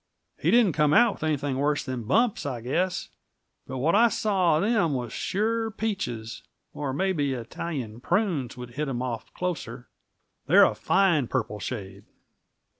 He didn't come out with anything worse than bumps, I guess but what I saw of them are sure peaches; or maybe Italian prunes would hit them off closer; they're a fine purple shade.